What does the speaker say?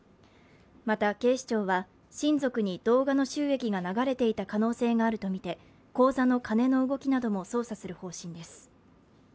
また、警視庁は親族に動画の収益が流れていた可能性があるとみて口座の金の動きなども捜査する方針です。